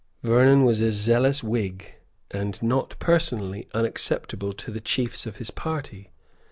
Vernon was a zealous Whig, and not personally unacceptable to the chiefs of his party.